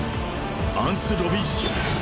アンスロビンシア！